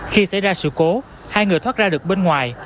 khi xảy ra sự cố hai người thoát ra được bên ngoài